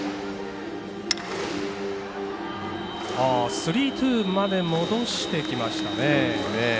スリーツーまで戻してきました。